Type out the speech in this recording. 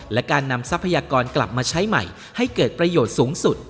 และการนำทรัพยากรกลับมาใช้ใหม่ให้เกิดประโยชน์สูงสุด